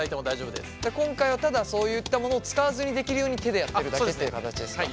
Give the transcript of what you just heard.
今回はただそういったものを使わずにできるように手でやってるだけっていう形ですか？